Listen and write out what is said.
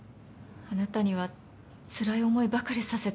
あなたにはつらい思いばかりさせてきたわ。